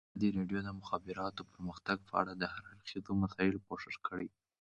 ازادي راډیو د د مخابراتو پرمختګ په اړه د هر اړخیزو مسایلو پوښښ کړی.